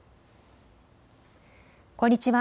こんにちは。